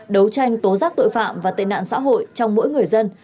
đấu tranh tố giác tội phạm và tên nạn xã hội trong mỗi người dân